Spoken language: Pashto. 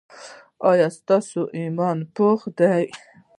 ایا ستاسو ایمان پاخه دی؟